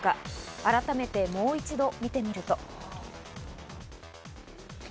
改めてもう一度見てみると。